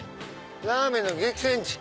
ラーメンの激戦地。